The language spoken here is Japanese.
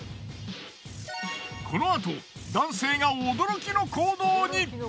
このあと男性が驚きの行動に！